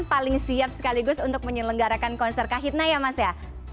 paling siap sekaligus untuk menyelenggarakan konser kahitna ya mas ya